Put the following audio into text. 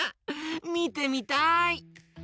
みてみたい！